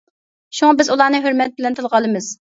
شۇڭا بىز ئۇلارنى ھۆرمەت بىلەن تىلغا ئالىمىز.